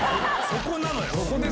そこなのよ。